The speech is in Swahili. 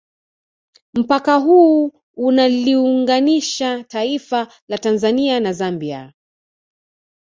Mpaka huu unaliunganisha taifa la Tanzania na Zambia